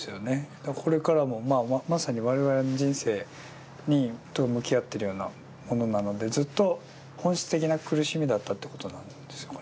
これからもまあまさに我々の人生と向き合ってるようなものなのでずっと本質的な苦しみだったってことなんですよね。